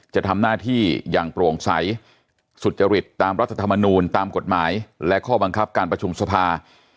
จะทำหน้าที่อย่างโปร่งใสสุจริตตามรัฐธรรมนูลตามกฎหมายและข้อบังคับการประชุมสภา